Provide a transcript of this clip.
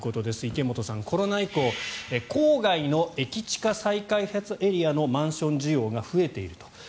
池本さん、コロナ以降郊外の駅近再開発エリアのマンション需要が増えていると。